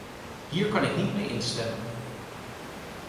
Hier kan ik niet mee instemmen.